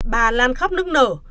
bà lan khóc nức nở